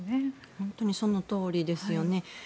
本当にそのとおりですよね。